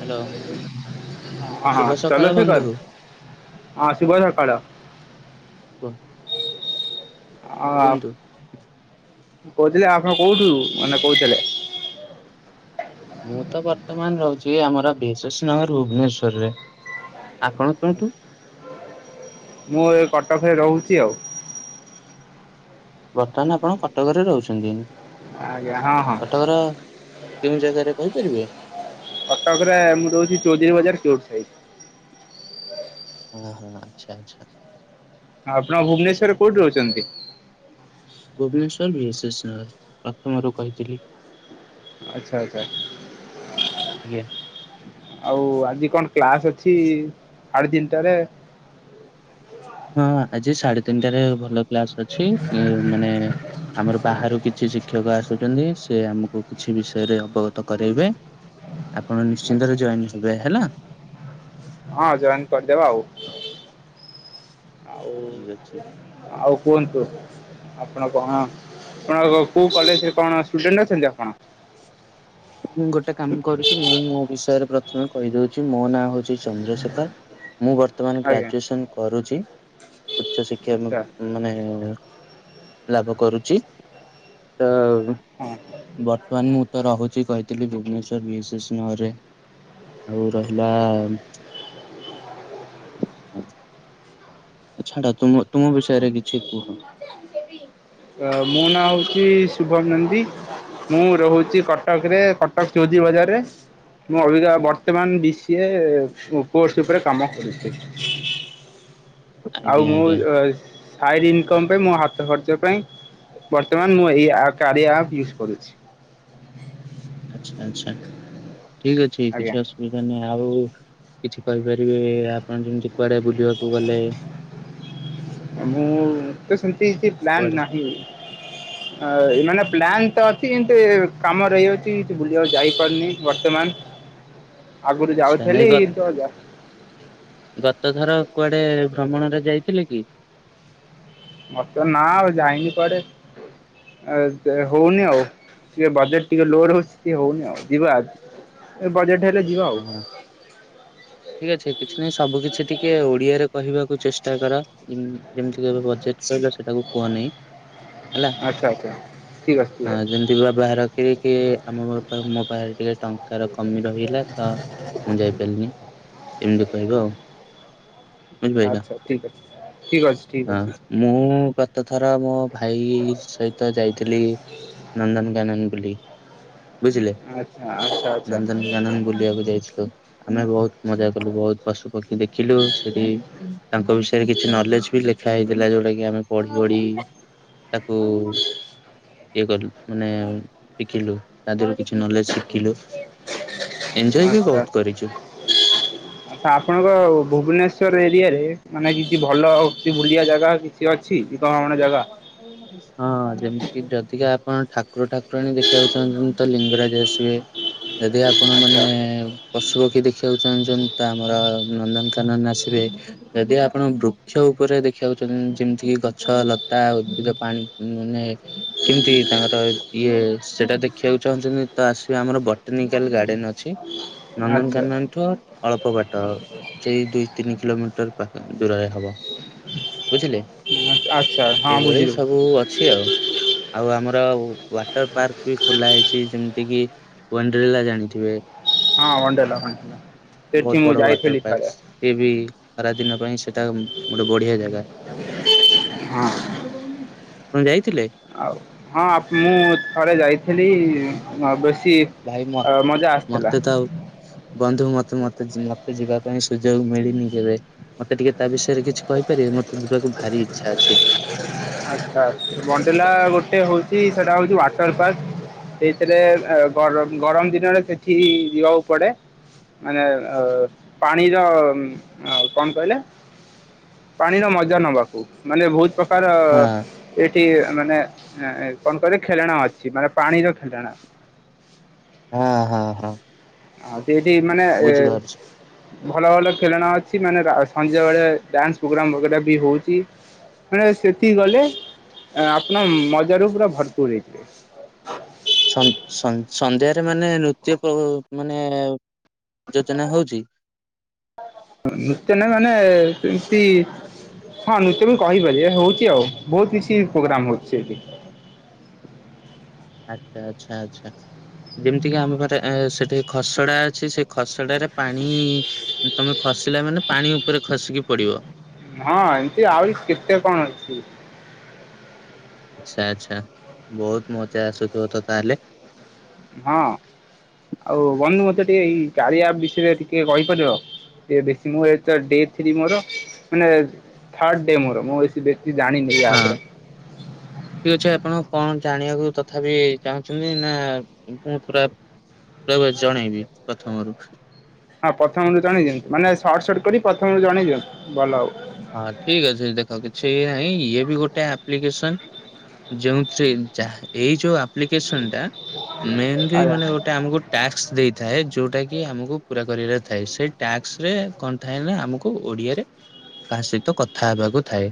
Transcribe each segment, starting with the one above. Hello ଶୁଭ ହଁ ସକାଳ ବନ୍ଧୁ [unintelligible] ହଁ ଶୁଭ ସକାଳ। କୁହ। ଆଉ କୁହନ୍ତୁ। କହୁଥିଲି ଆପ କୋଉଠୁ ମାନେ କହୁଥିଲେ? ମୁଁ ତ ବର୍ତ୍ତମାନ ରହୁଛି ଆମର ବିଶେଷ ନଗର ଭୁବନେଶ୍ଵରରେ। ଆପଣ କଣ କୁହନ୍ତୁ। ମୁଁ ଏ କଟକରେ ରହୁଛି ଆଉ। ବର୍ତ୍ତମାନ ଆପଣ କଟକରେ ରହୁଛନ୍ତି ଆଜ୍ଞା ହଁ ହଁ କଟକର କେଉଁ ଜାଗାରେ କହିପାରିବେ? କଟକରେ ମୁଁ ରହୁଛି ଚୌଧୁରୀ ବଜାର କେଉଟ ସାଇଡ଼୍। ହଁ ହଁ ଆଚ୍ଛା ଆଚ୍ଛା। ଆପଣ ଭୁବନେଶ୍ୱରରେ କୋଉଠି ରହୁଛନ୍ତି? ଭୁବନେଶ୍ଵର ବି [unintelligible] ପ୍ରଥମରୁ କହିଥିଲି। ଆଚ୍ଛା ଆଚ୍ଛା। ଆଜ୍ଞା। ଆଉ ଆଜି କଣ କ୍ଲାସ ଅଛି ସାଢେ ଦିନଟାରେ। ହଁ ଆଜି ସାଢେ ତିନିଟାରେ ଭଲ କ୍ଲାସ ଅଛି ଏ ମାନେ। ଆମର ବାହାରୁ କିଛି ଶିକ୍ଷକ ଆସୁଛନ୍ତି ସେ ଆମକୁ କିଛି ବିଷୟରେ ଅବଗତ କରାଇବେ। ଆପଣ ଆଚ୍ଛା ନିଶ୍ଚିନ୍ତରେ ଜଏନ୍ ହବେ ହେଲା। ହଁ ଜଏନ କରିଦେବା ଆଉ ଆଉ। ଠିକ ଅଛି। ଆଉ କୁହନ୍ତୁ ଆପଣ କଣ ଆପଣ କୋଉ କଲେଜରେ କଣ ଷ୍ଟୁଡେଣ୍ଟୂ ଅଛନ୍ତି ଆପଣ? ମୁଁ ଗୋଟେ କାମ କରୁଚି ମୁଁ ମୋ ବିଷୟରେ ପ୍ରଥମେ କହିଦଉଚିମୋ ନାଁ ହଉଚି ଚନ୍ଦ୍ରଶେଖର। ମୁଁ ବର୍ତ୍ତମାନ୍ ଆଜ୍ଞା ଗ୍ରାଜୁସନ୍ କରୁଚି ଉଚ୍ଚ ଶିକ୍ଷା ଆଚ୍ଛା ମାନେ ଲାଭ କରୁଚି ତ ହଁ ବର୍ତ୍ତମାନ ମୁଁ ତ ରହୁଚି କହିଥିଲି ଭୁବନେଶ୍ଵର ବିଏଶେଷ୍ ନଗର ରେ। ଆଉ ରହିଲା ଛାଡ ତୁମ ତୁମ ବିଷୟରେ କିଛି କୁହ। ଅ ମୋ ନାଁ ହଉଚି ଶୁଭମ ନନ୍ଦୀ। ମୁଁ ରହୁଚି କଟକ ରେ କଟକ ଚୌଉଦି ବଜାରେ। ମୁଁ ଅଭିକା ବର୍ତ୍ତମାନ ଡି ସିଏ କୋସ୍ ଉପରେ କାମ କରୁଚି। ଆଜ୍ଞା ଆଉ ମୁଁ ଆଜ୍ଞା ସାଇଡ୍ ଇନକମ୍ ପାଇଁ ମୋ ହାତ ଖର୍ଚ୍ଚ ପାଇଁ ବର୍ତ୍ତମାନ ମୁଁ ଆ ଏଇ କାରିଆ ଆପ୍ ୟୁଜ୍ କରୁଚି। ଆଚ୍ଛା ଆଚ୍ଛା ଠିକ୍ ଅଛି ଆଜ୍ଞା କିଛି ଅସୁ ବିଧା ନାଇଁ। ଆଉ କିଛି କହିପାରିବେ ଆପଣ ଯେମିତି କୁଆଡେ ବୁଲିବାକୁ ଗଲେ ମୁଁ ଏତେ ସେମିତି କି ପ୍ଲାନ କୁଆଡେ ନାହିଁ। ହ ଏ ମାନେ ପ୍ଲାନ୍ ତ ଅଛି କିନ୍ତୁ ଏ କାମ ରହିଯାଉଚି ଟି କେ ବୁଲିଆକୁ ଯାଇପାରୁନି ବର୍ତ୍ତମାନ୍। ଆଗରୁ ଆଚ୍ଛା ନାଇଁ ଯାଉଥିଲି ତ ଯା ଗତ ଥର କୁଆଡେ ଭ୍ରମଣରେ ଯାଇଥିଲେ କି? ମତ ନା ଆଉ ଯାଇନି କୁଆଡେ ଆଦେ ହଉନି ଆଉ। ଟିକେ ବଜେଟ୍ ଟିକେ ଲୋ ରହୁଚି ଟିକେ ହଉନି ଆଉ ଯିବା ଆଉ ବଜେଟ୍ ହେଲେ ଯିବା ଆଉ। ଠିକ୍ ଅଛି କିଛି ନାଇଁ ସବୁ କିଛି ଟିକିଏ ଓଡିଆରେ କହିବାକୁ ଚେଷ୍ଟା କର। ଯେମ୍ ଯେମିତି କି ଏବେ ବଜେଟ୍ କହିଲ ସେଟାକୁ କୁହ ନାହିଁ। ହେଲା। ଆଚ୍ଛା ଆଚ୍ଛା ଠିକ୍ ଅଛି ଠିକ୍ ହଁ ଅଛି ଯେମ୍ ଯିବା ବାହାର କରିିକି ଆମ [inaudible] ମୋ ପାଖରେ ଟିକେ ଟଙ୍କାର କମି ରହିଲା। ତ ମୁଁ ଯାଇପାରିନି ଏମିତି କହିବ ଆଉ। ବୁଝିପାରିଲ। ଆଚ୍ଛା ଠିକ୍ ଅଛି ଠିକ୍ ଅଛି। ଠିକ୍ ହଁ ଅଛି ମୁଁ ଗତ ଥର ମୋ ଭାଇ ସହିତ ଯାଇଥିଲି। ନନ୍ଦନକାନନ ବୁଲି। ବୁଝିଲେ ଆଚ୍ଛା ଆଚ୍ଛା ଆଚ୍ଛା ଆଚ୍ଛା ନନ୍ଦନକାନନ ବୁଲିଆକୁ ଯାଇଥିଲୁ। ଆମେ ବହୁତ୍ ମଜା କଲୁ ବହୁତ୍ ପଶୁ ପକ୍ଷୀ ଦେଖିଲୁ ସେଠି ତାଙ୍କ ବିଷୟରେ କିଛି ନଲେଜ୍ ବି ଲେଖା ହେଇଥିଲା ଯୋଉଟା କି ଆମେ ପଢି ପଢି ତାକୁ ଇଏ କଲୁ ମାନେ ଶିଖିଲୁ। ତା ଦେହରୁ କିଛି ନଲେଜ୍ ଶିଖିଲୁ ଏଞ୍ଜୟେ ବି ବହୁତ୍ କରିଚୁ। ଆଛା ଆପଣଙ୍କ ଭୁବନେଶ୍ଵର ଏରିଆରେ ମାନେ କିଛି ଭଲ କିଛି ବୁଡିଆ ଜାଗା କିଛି ଅଛି କି କଣ ଜାଗା? ହଁ ଯେମତି କିି ଯଦିକା ଆପଣ ଠାକୁର ଠାକୁରାଣୀ ଦେଖିବାକୁଚନ୍ତି। ତ ଲିଙ୍ଗରାଜ ଆସିବେ ଯଦି ଆପଣ ଆଚ୍ଛା ମାନେ ପଶୁ ପକ୍ଷୀ ଦେଖିଆକୁ ଚାହୁଁଚନ୍ତି ତ ଆମର ନନ୍ଦନକାନନ ଆସିବେ। ଯଦି ଆପଣ ବୃକ୍ଷ ଉପରେ ଦେଖିବାକୁ ଚା ଚନ୍ତି ଯେମିତି କି ଗଛ ଲତା ଉଦ୍ଭିଦ ପାଣି ମାନେ କେମିତି ତାଙ୍କର ଇଏ ସେଟା ଦେଖିବାକୁ ଚାହୁଁଚନ୍ତି ତ ଆସିବେ ଆମର ବଟ୍ ଟିନିକାଲ୍ ଗାର୍ଡେନ୍ ଅଛି ଆଚ୍ଛା ନନ୍ଦନକାନନ ଠୁ ଆ ଅଳ୍ପ ବାଟ ସେଇ ଦୁଇ ତିନି କିଲୋମିଟର ପାଖ ଦୂରରେ ହବ। ବୁଝିଲେ ଆଚ୍ଛା ହଁ ଏଭଳି ବୁଝିଲି ସବୁ ବୁଝିଲି ଅଛି ଆଉ। ଆଉ ଆମର ୱାଟର ପାର୍କ ବି ଖୋଲା ହେଇଛି ଯେମିତି କିି ୱଣ୍ଡ୍ରେଲା ଜାଣିଥିବେ। ହଁ ଓଣ୍ଡେଲା ବହୁତ ସେଠି ମୁଁ ବଡ ୱାଟର ଯାଇଥିଲଲି ପାର୍କ ସିଏ ବି ଖରାଦିନ ପାଇଁ ସେଟା ଗୋଟେ ବଢିଆ ଜାଗା ହଁ। ଆପଣ ଯାଇଥିଲେ। ଆଉ ହଁ ମୁଁ ଥରେ ଯାଇଥିଲି ବେଶୀ ଭାଇ ମ ଅ ମଜା ଆସିଥିଲା। ମତେ ତ ଆଉ ବନ୍ଧୁ ମତେ ମତେ ମତେ ଯିବା ପାଇଁ ସୁଯୋଗ ମିଳିନି କେବେ ମତେ ଟିକେ ତା ବିଷୟରେ କିଛି କହିପାରିବେ ମତେ ହ [unintelligible] ଯିବାକୁ ଭାରି ଇଚ୍ଛା ଅଛି। ଆଚ୍ଛା ବଣ୍ଡେିଲା ଗୋଟେ ହଉଛି ସେଟା ହଉଛି ୱାଟର ପାର୍କ। ସେଇଥିରେ ଗରମ ଗରମ ଦିନରେ ସେଠି ଯିବାକୁ ପଡେ। ମାନେ ଅ ପାଣିର କଣ କହିଲେ ପାଣିର ମଜା ନବାକୁ ମାନେ ବହୁତ ପ୍ରକାର ହଁ ଏଠି ମାନେ କଣ କହିବେ ଖେଳଣା ଅଛି ମାନେ ପାଣିର ଖେଳଣା। ହଁ ହଁ ହଁ। ଆ ସେଇଠି ମାନେ ଏ ବୁଝିପାରୁଛି। ଭଲ ଭଲ ଖେଳଣା ଅଛି ମାନେ ସନ୍ଧ୍ୟାବେଳେ ଡ୍ୟାନ୍ସ ପ୍ରୋଗ୍ରାମ ବି ହଉଛି। ମେ ସେତିକି ଗଲେ ଆପଣ ମଜାରୁ ପୁରା ଭରପୁର ହେଇଯିବ। ସନ୍ଧ୍ୟାରେ ମାନେ ନୃତ୍ୟ ମାନେ ଯୋଜନା ହଉଛି। ନୃତ ନହିଁ ମାନେ ସେମିତି ହଁ ନୃତ୍ୟ ବି କହିହପାରି ହଉଛି ଆଉ ବହୁତ କିଛି ପ୍ରୋଗ୍ରାମ ହଉଛି ଏଠି। ଆଛା ଆଚ୍ଛା ଆଚ୍ଛା। ଯେମିତି କିି ଆମ ପାରେ ସେଠି ଖସଡା ଅଛି ସେ ଖସଡାରେ ପାଣି ତମେ ଖସିଲା ମାନେ ପାଣି ଉପରେ ଖସିକି ପଡିବ। ହଁ ଏମିତି ଆହୁରି କେତେ କଣ ଅଛି। ଆଚ୍ଛା ଆଚ୍ଛା ବହୁତ ମଜା ଆସୁଥିବ ତା ହେଲେ। ହଁ ଆଉ ବନ୍ଧୁ ମତେ ଟିକେ ଏଇ କାରିଆ ଆପେ ବିଷୟରେ ଟିକେ କହିପାରିବ। ବେଶୀ ମୁ ଡେ ଥ୍ର ମୋର ମାନେ ଥାଡ ମୋର। ବେଶି ଜାଣିନି ହଁ। ଆପେ ଠିକ ଅଛି ଆପଣ କଣ ଜାଣିବାକୁ ତଥାପି ଚାହୁଁଛନ୍ତି ନା ମୁଁ ପୁରା ରହିବ ଜଣେଇବି ପ୍ରଥମରୁ। ହଁ ପ୍ରଥମରୁୁ ଜଣେଇ ଦିଅନ୍ତୁ ମାନେ ସର୍ଟ ସର୍ଟ କରି ପ୍ରଥମରୁ ଜଣେଇ ଦିଅନ୍ତୁ ଭଲ ହବ। ହଁ ଠିକ ଅଛି ଦେଖ କିଛି ନାଇଁ ଇଏ ବି ଗୋଟେ ଆପ୍ଲିକେସନ। ଯେଉଥିରେ ଯ ଏଇ ଯୋଉ ଆପ୍ଲିକେସନ ଟା ମ ଆଜ୍ଞା ମାନେ ଗଟା ଆମକୁ ଟ୍ୟାକ୍ସ ଦେଇଥାଏ ଯୋଉଟା କି ଆମକୁ ପୁରା କରିବାରେ ଥାଏ ସେଇ ଟ୍ୟାକ୍ସ ରେ କଣ ଥାଏ ଆମକୁ ଓଡ଼ିଆରେ କାହା ସହିତ କଥା ହେବାକୁ ଥାଏ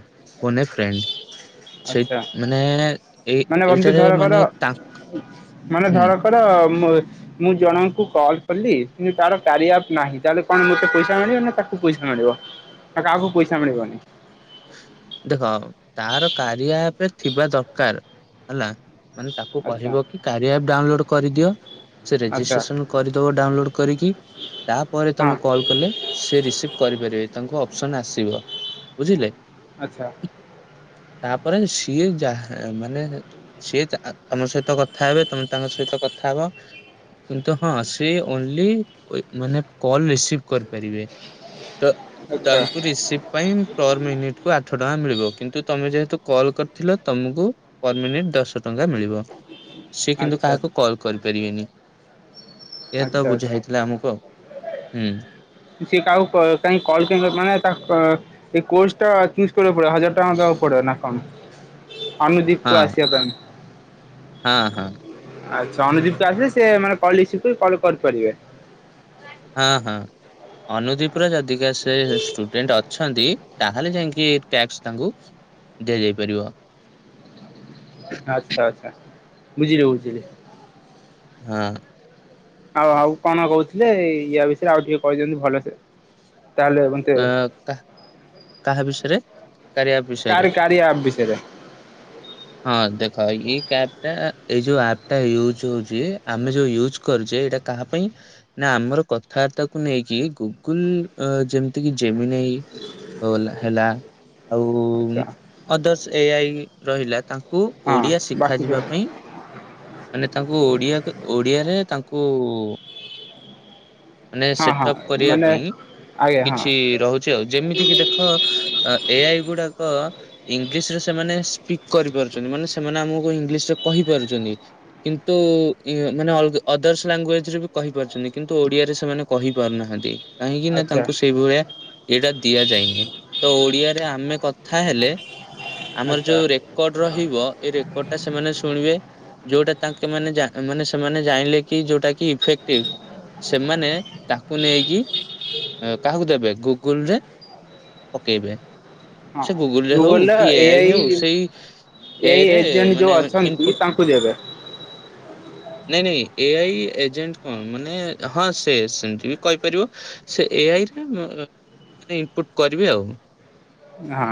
କୁନେ ଫ୍ରେଣ୍ଡ। ସେଇ ଆଚ୍ଛା ମାନେ ଏଇ ମାନେ ବନ୍ଧୁ ଏଇଟାରେ ଧରକର ମାନେ ତାଙ୍କ ହୁଁ ପ [unintelligible] ମୁଁ ଜଣଙ୍କୁ କଲ କଲି କିନ୍ତୁ ତାର କାରିଆପ ନାହିଁ ତାହେଲେ କଣ ମୋତେ ପଇସା ମିଳିବ ନା ତାକୁ ପଇସା ମିଳିବ। ଆ କାହାକୁ ପଇସା ମିଳିବନି। ଦେଖ ତାର କାରିଆ ଆପ ଥିବା ଦରକାର ହେଲା। ମାନେ ତାକୁ ଆଚ୍ଛା କହିବ କି କାରିଆ ଆପ ଡାଉନଲୋଡ କରିଦିଅ। ସେ ଆଚ୍ଛା ରେଜିଷ୍ଟ୍ରେସନ୍ କରିଦବ ଡାଉନଲୋଡ୍ କରିକି ତାପରେ ହଁ ତୋମେ କଲ୍ କଲେ ସେ ରିସିଭ୍ କରିପାରିବେ ତାଙ୍କୁ ଅପ୍ସନ୍ ଆସିବ ବୁଝିଲେ। ଆଚ୍ଛା। ତାପରେ ସିଏ ଯାହା ମାନେ ସିଏ ଆ, ତୋମ ସହିତ କଥା ହେବେ ତୋମେ ତାଙ୍କ ସହିତ କଥା ହବ। କିନ୍ତୁ ହଁ ସିଏ ଓନ୍ଲି ଅଏ ମାନେ କଲ୍ ରିସିଭ୍ କରିପାରିବେ। ତ ଆଚ୍ଛା ତାଙ୍କୁ ରିସିଭ୍ ପାଇଁ ପର୍ ମିନିଟ୍ କୁ ଆଠ ଟଙ୍କା ମିଳିବ କିନ୍ତୁ ତୋମେ ଯେହେତୁ କଲ୍ କରିଥିଲ ତୋମକୁ ପର୍ ମିନିଟ୍ ଦଶ ଟଙ୍କା ମିଳିବ। ସିଏ କିନ୍ତୁ ଆଚ୍ଛା କାହାକୁ କଲ୍ କରିପାରିବେନି। ଏ ତ ଆଚ୍ଛା ବୁଝା ଆଚ୍ଛା ହେଇଥିଲା ଆମକୁ ଆଉ ଉଁ,। ସିଏ କାହାକୁ କ-କାହିଁକି କଲ୍ [unintelligible] ମାନେ ତା ଅ, ଏ କୋର୍ସଟା ଚୁସ୍ କରିବାକୁ ପଡ଼ିବ ହଜାର ଟଙ୍କା ଦବାକୁ ପଡ଼ିବ ନା କଣ ଅନୁଦୀପ୍ ହଁ କୁ ଆସିବା ପାଇଁ? ହଁ, ହଁ। ଆଚ୍ଛା ଅନୁଦୀପ୍ ତ ଆସେ ସେ ମାନେ କଲ୍ ରିସିଭ୍ କି କଲ୍ କରିପାରିବେ। ହଁ ହଁ ଅନୁଦୀପର ଯଦିକା ସେ ଷ୍ଟୁଡେଣ୍ଟ ଅଛନ୍ତି। ତାହେଲେ ଯାଇକି ଟ୍ୟାକ୍ସ ତାଙ୍କୁ ଦିଆଯାଇ ପାରିବ। ଆଚ୍ଛା ଆଚ୍ଛା ବୁଝିଲି ବୁଝିଲି। ହଁ। ଆଉ ଆଉ କଣ କହୁଥିଲେ ୟା ବିଷୟରେ ଆଉ ଟିକେ କହିଦିଅନ୍ତୁ ଭଲସେ। ତାହେଲେ ଏବଂ ଅ କା କାହା ବିଷୟରେ କାରିଆ ବିଷୟରେ। କେ-କାରି କାରିଆ ଆପ୍ ବିଷୟରେ। [inaudible] ହଁ ଦେଖ ଇଏ କାପ ଟା ଏଇ ଯୋଉ ଆପ୍ ଟା ୟୁଜ୍ ହଉଛି ଆମେ ଯୋଉ ୟୁଜ୍ କରୁଛେ ଏଇଟା କାହା ପାଇଁ ନା ଆମର କଥାବାର୍ତ୍ତାକୁ ନେଇକି ଗୁଗୁଲ୍ ଅ, ଯେମ ତିକି ଜମିିନେଇ ଓ ଏଲା ହେଲା ଆଉ ଉଁ, ଆଚ୍ଛା ଅଦର୍ଶ ଏଆଇ ରହିଲା ତାଙ୍କୁ ହଁ ଓଡିଆ ବାକି ସବୁ ଶିଖାଯିବା ପାଇଁ ମାନେ ତାଙ୍କୁ ଓଡିଆ କୁ ଓଡିଆରେ ତାଙ୍କୁ ମାନେ ହଁ ହଁ ସେଟଅପ୍ କରିବା ମାନେ ପାଇଁ ଆଜ୍ଞା ହଁ କିଛି ରହୁଛି ଆଉ। ଯେମିତି କିି ଦେଖ ଅ, ଏଆଇ ଗୁଡାକ ଇଂଲିଶ ରେ ସେମାନେ ସ୍ପିକ୍ କରିପାରୁଛନ୍ତି ମାନେ ସେମାନେ ଆମକୁ ଇଂଲିଶ ରେ କହିପାରୁଛନ୍ତି। କିନ୍ତୁ ଇଁ, ମାନେ ଅଲଗ- ଅଦର୍ସ ଲାଙ୍ଗୁଏଜ୍ ରେ ବି କହିପାରୁଛନ୍ତିହ କିନ୍ତୁ ଓଡିଆରେ ସେମାନେ କହିପାରୁନାହାନ୍ତି। କାହିଁକି ନା ଆଚ୍ଛା ତାଙ୍କୁ ସେଇଭଳିଆ ଏଇଟା ଦିଆଯାଇନିହିଁ। ତ ଓଡିଆରେ ଆମେ କ ଥା ହେଲେ ଆମର ଆଚ୍ଛା ଯୋଉ ରେକର୍ଡ ରହିବ ଏଇ ରେକର୍ଡ ଟା ସେମାନେ ଶୁଣିବେ। ଯୋଉଟା ତାଙ୍କେ ମାନେ ଜା-ମାନେ ସେମାନେ ଜାଣିଲେ କି ଯୋଉଟା କିି ଇଫେକ୍ଟିଭ୍, ସେମାନେ ତାକୁ ନେଇକି ଏଁ, କାହାକୁ ଦେବେ? ଗୁଗୁଲ୍ ରେ ପକେଇବେ। ହଁ ସେ ଗୁଗୁଲ୍ ରେ ହଉ, ଗୁଗଲର କି ଏ ଏଆଇ ଆଇ ହେଉ, ସେଇ ଏ ଆଇ ଏଆଇ ରେ ଏଜେଣ୍ଟ ଯୋଉ ମାନେ ଉଁ, ଅଛନ୍ତି ଇନପୁଟ୍ ତାଙ୍କୁ ଦେବେ ନାଇଁ ନାଇଁ ଏଆଇ ଏଜେଣ୍ଟ କଣ, ମାନେ ହଁ ସେ ସେମିତି ବି କହିପାରିବ। ସେ ଏଆଇ ରେ ମ-ମାନେ ଇନପୁଟ୍ କରିବେ ଆଉ। ହଁ।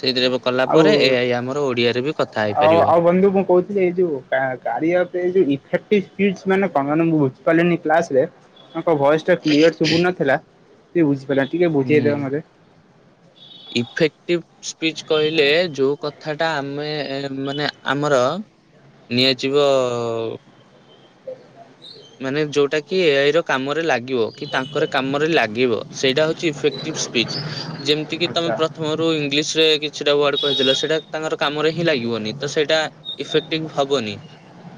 ସେଇଥିରେ ଏବେ କଲା ପରେ ଆଉ ଏଆଇ ଆମର ଓଡିଆରେ ବି କ ଆଉ ଆଉ ବନ୍ଧୁ ମୁଁ କହୁ [unintelligible] ମାନେ ମୁଁ ବୁଝି ପରିଲିନି କ୍ଲାସ ରେ। ତାଙ୍କ ଭଏସ ଟା କ୍ଲିୟର ସୁୁଭୁ ନଥିଲା ସେ ବୁଝିପାରିଲାନି। ଟିକେ ବୁଝେଇଦବ ମୋତେ। ଇଫେକ୍ଟିଭ୍। ସ୍ପିଚ କହିଲେ, ଯୋଉ କଥା ଟା ଆମେ ମାନେ ଆମର ନିଆ ଯିବ। ମାନେ ଯୋଉଟା କି ଏଆଇ ର କାମରେ ଲାଗିବ, କି ତାଙ୍କର କାମରେ ଲାଗିବ। ସେଇଟା ହଉଛି ଇଫେକ୍ଟ ଟିବ୍ ସ୍ପିଚ୍ ଯେମିତିକି ତମେ ଆଚ୍ଛା ପ୍ରଥମ ଯୋଉ ଇଂଲିଶ ରେ କିଛିଟା ୱାର୍ଡ କହିଥିଲା ସେଇଟା ତାଙ୍କର କାମରେ ହିଁ ଲାଗିବନି। ତ ସେଇଟା ଇଫେକ୍ଟିଭ ହବନି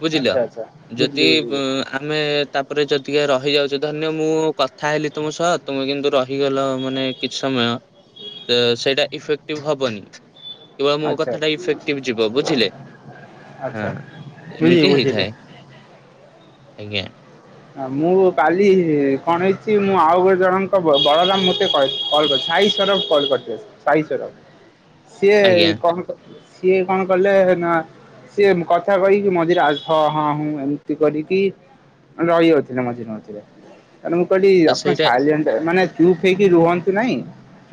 ବୁଝିଲ। ଆଚ୍ଛା ଆଚ୍ଛା ବୁଝିଲି ଯଦି ବୁଝିଲି। ଆମେ ତାପରେ ଯଦିକା ରହିଯାଉଛେ ଧରିନିଅ ମୁଁ କଥା ହେଲି ତୁମ ସହ ତୁମେ କିନ୍ତୁ ରହିଗଲ। ମାନେ କିଛି ସମୟ, ତ ସେଇଟା ଇଫେକ୍ଟିଭ ହବନି। କେବଳ ମୋ ଆଚ୍ଛା କଥାଟା ଇଫେକ୍ଟିଭ ଯିବ ବୁଝିଲେ, ହଁ ଆଚ୍ଛା ବୁଝିଲି ଏମିତି ବୁଝିଲି। ହେଇଥାଏ। ଆଜ୍ଞା। ମୁଁ କାଲି କଣ ହେଇଚି ମୁଁ ଆଉ ଗୋଟେ ଜଣଙ୍କ ବ ବଳରାମ ମୋତେ କଲ କଲ୍ କରିଚି। ସାଇ ସରଫ୍ କଲ୍ କରିଥିବେ ସାଇ ସରଫ୍ ସିଏ ଆଜ୍ଞା କଣ ସିଏ କଣ କଲେ ନା ସିଏ କଥା କହିକି ମଝିରେ ଆଲ୍‌ଛ ହଁ ହୁଁ ଏମିତି କରିକି ରହିଯାଉଥିଲେ ମଝିରେ ମଝିରେ ତାପରେ ମୁଁ କହିଲି ତ ଆପଣ ସେଇଟା ସାଇଲେଣ୍ଟ ମାନେ ଚୁପ୍ ହେଇକି ରୁହନ୍ତୁ ନାଇଁ।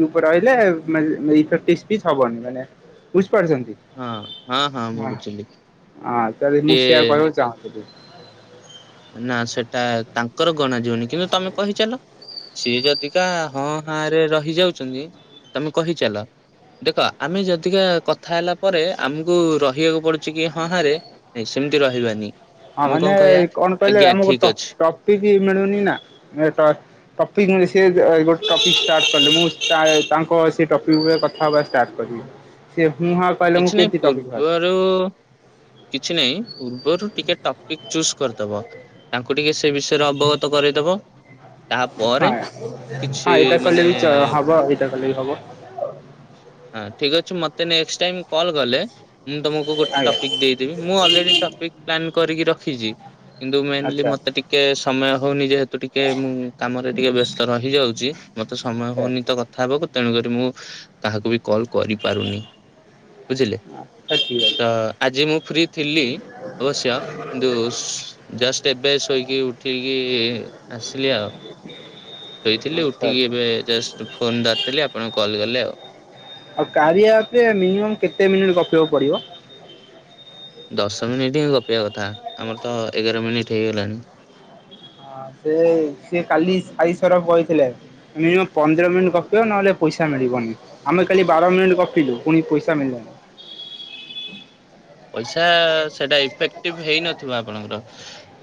ଚୁପ୍ ରହିଲେ ମାନେ ଇଫେଟିସ୍ପି ହବନି। ମାନେ ବୁଝିପାରୁଛନ୍ତି ହଁ ହଁ ମୁଁ ହଁ ବୁଝିଲି। ତାହେଲେ ମୁଁ ସେୟା ସିଏ କହିବାକୁ ଚାହୁଁଥିଲି। ନା ସେଟା ତାଙ୍କର ଗଣା ଯିବନି। କିନ୍ତୁ ତମେ କହିଚାଲ। ସିଏ ଯଦିିକା ହଁ ହାଁ ରେ ରହିଯାଉଚନ୍ତି ତମେ କହିଚାଲ। ଦେଖ ଆମେ ଯଦିକା କଥା ହେଲା ପରେ ଆମକୁ ରହିବାକୁ ପଡୁଚି କି ହଁ ହାଁ ରେ ନାଇଁ, ସେମିତି ରହିବାନି। ହଁ ଆମେ କଣ ମାନେ କହିବା କଣ କହିଲେ, ଆଜ୍ଞା ଆମକୁ ଠିକ ଟ ଅଛି ଟପିକି ମିଳୁନି ନା ନହେଲେ ଟ ଟପିକ୍‌ ମିଳି ସେ ଗୋଟେ ଟପିକ୍‌ ଷ୍ଟାଟ କଲି ମୁଁ ତାଏ ତାଙ୍କ ସେ ଟପିକ୍ ଉପରେ କ ହବା ଷ୍ଟାର୍ଟ କରିବା ସେ ହୁଁ ହାଁ କହିଲେ ମୁଁ କେମିତି [unintelligible] ଯୋଉ କିଛି ନାଇଁ ପୂର୍ବରୁ ଟିକେ ଟପିକ୍ ଚୁସ୍ କରିଦବ। ତାଙ୍କୁ ଟିକେ ସେ ବିଷୟରେ ଅବଗତ କରେଇଦବ। ତାପରେ ହଁ କିଛି ମାନେ ସେ ଭଲକି ହବ। ହଁ ଠିକ୍ ଅଛି ମତେ ନେଷ୍ଟ ଟାଇମ୍ କଲ୍ କଲେ ମୁଁ ତମକୁ କୋଉ ଗୋଟେ ଆଜ୍ଞା ଟପିକ୍ ଦେଇଦେବି। ମୁଁ ଅଲରେଡି ଟପିକ୍ ପ୍ଲାନ କରିକି ରଖିଚି। କିନ୍ତୁ ମେନ୍‌ଲି ଆଚ୍ଛା ମତେ ଟିକେ ଟିକେ ସମୟ ହୋଉନି ଯେହେତୁ ଟିକେ ମୁଁ କାମରେ ଟିକେ ବ୍ୟସ୍ତ ରହିଯାଉଚି। ମତେ ସମୟ ଆଚ୍ଛା ହୋଉନି ତ କଥା ହବାକୁ। ତେଣୁକରି ମୁଁ କହାକୁ ବି କଲ୍ କରିପାରୁନି ବୁଝିଲେ ଆଚ୍ଛା ଠିକ୍ ଅଛି ତ ଆଜି ମୁଁ ଫ୍ରୀ। ଥିଲି ଅବଶ୍ୟ କିନ୍ତୁ ଜଷ୍ଟ ଏବେ ଶୋଇକି ଉଠକି ଆସିଲି ଆଉ ଶୋଇଥିଲି ଆଚ୍ଛା ଉଠିକି ଆଚ୍ଛା ଏବେ ଜଷ୍ଟ ଫୋନ୍ ଧରିଥିଲି, ଆପଣ କଲ୍ କଲେ ଆଉ। ଆଉ କାରିଆ ଆପ୍ ରେ ମିନିମମ୍ କେତେ ମିନିଟ୍ ଗପିବାକୁ ପଡିବ? ଦଶ ମିନିଟ୍ ହିଁ ଗପିବା କଥା ଆମର ତ ଏଗାର ମିନିଟ୍ ହେଇଗଲାଣି। ହଁ ସେ ସିଏ କାଲି ସାଇସରପ୍ କହିଥିଲେ। ମିନିମମ୍ ପନ୍ଦର ମିନିଟ୍ ଗପିବ ନହେଲେ ପଇସା ମିଳିବନି। ଆମେ କାଲି ବାର ମିନିଟ୍ ଗପିଲୁ ପୁଣି ପଇସା ମିଳିଲାନି। ପଇସା ସେଇଟା ଇଫେକ୍ଟିଭ ହେଇନଥିବ ଆପଣଙ୍କର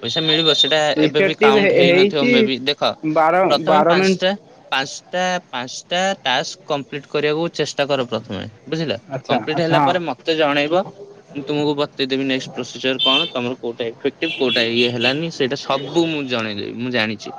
ପଇସା ମିଳିବ ସେ ସେଟା ଏବେ ବି ଇଫେକ୍ଟିଭ କାଉଣ୍ଟ ହେଇନଥିବ ହେଇଛି ମେ ବି ଦେଖ ବାର ପ୍ରଥମେ ବାର ମିନିଟ୍ ପାଞ୍ଚଟା ପାଞ୍ଚଟା ପାଞ୍ଚଟା ଟାସ୍କ୍ କମ୍ପ୍ଲିଟ୍ କରିବାକୁ ଚେଷ୍ଟା କର ପ୍ରଥମେ। ବୁଝିଲ ଆଚ୍ଛା କଂପ୍ଲିଟ୍ ଆଚ୍ଛା ହେଲା ହଁ। ପରେ ମତେ ଜଣେଇବ। ମୁଁ ତମକୁ ବତେଇଦବି ନେକ୍ସଟ୍ ପ୍ରୋସିଜର କଣ ତମର କୋଉଟାଇଫେକ୍ଟିଭ କୋଉଟା ଇଏ ହେଲାନି। ସେଇଟା ସବୁ ମୁଁ ଜଣେଇଦବ ମୁଁ ଜାଣିଛି।